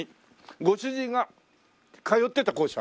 ご主人が通ってた校舎？